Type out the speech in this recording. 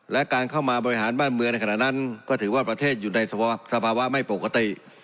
และการเข้ามาบริหารบ้านเมืองในขณะนั้นก็ถือว่าประเทศอยู่ในสภาวะไม่ปกติ